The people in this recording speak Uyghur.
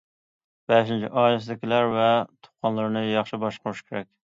بەشىنچى، ئائىلىسىدىكىلەر ۋە تۇغقانلىرىنى ياخشى باشقۇرۇش كېرەك.